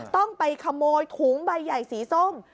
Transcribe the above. ต้องไปขโมยถุงใบใหญ่สีส้ม